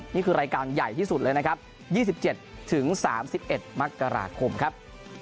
นี่คือรายการใหญ่ที่สุดเลยนะครับ๒๗๓๑มกราคมครับ